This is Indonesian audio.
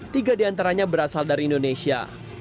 tiga di antaranya berasal dari indonesia